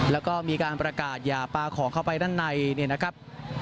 แล้วก็มีการประกาศอย่าปลาของเข้าไปด้านในเนี่ยนะครับ